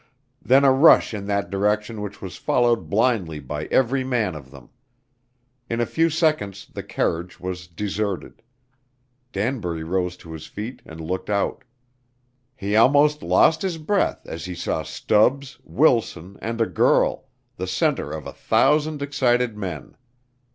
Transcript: Then a rush in that direction which was followed blindly by every man of them. In a few seconds the carriage was deserted. Danbury rose to his feet and looked out. He almost lost his breath as he saw Stubbs, Wilson, and a girl, the center of a thousand excited men.